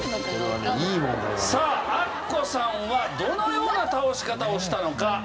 さあアッコさんはどのような倒し方をしたのか？